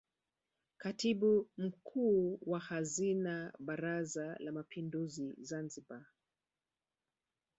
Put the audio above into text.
Katibu Mkuu wa Hazina Baraza la Mapinduzi Zanzibar